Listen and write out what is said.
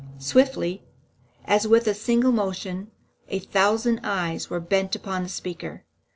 Swiftly, and as with a single motion, a thousand eyes were bent upon the speaker.